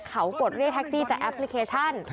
เขากดเรียกแท็กซี่จากแอปพลิเคชัน